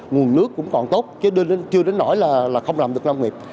nguồn nước cũng còn tốt chứ chưa đến nổi là không làm được nông nghiệp